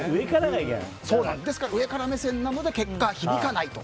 だから上から目線なので結果、響かないと。